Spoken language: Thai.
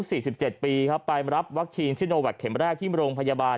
สิบเจ็ดปีครับไปรับวัคซีนซิโนแวคเข็มแรกที่โรงพยาบาล